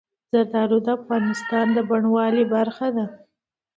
زردالو د افغانستان د بڼوالۍ برخه ده.